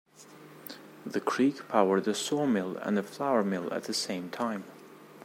The creek powered a saw mill and a flour mill at the time.